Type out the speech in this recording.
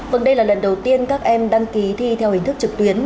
vâng đây là lần đầu tiên các em đăng ký thi theo hình thức trực tuyến